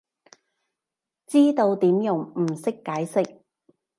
知道點用，唔識解釋